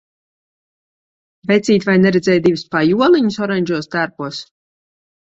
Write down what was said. Vecīt, vai neredzēji divus pajoliņus oranžos tērpos?